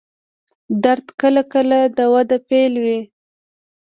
درد کله کله د وده پیل وي.